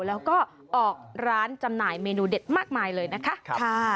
แล้วก็ออกร้านจำหน่ายเมนูเด็ดมากมายเลยนะคะ